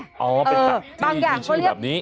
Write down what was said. อ๋อเป็นตักตีชื่อแบบนี้